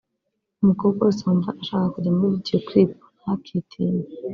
“Umukobwa wese wumva ashaka kujya muri video clip ntakitinye